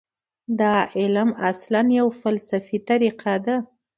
دا علم اصلاً یوه فلسفي طریقه ده.